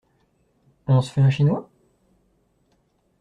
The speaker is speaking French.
On se fait un chinois?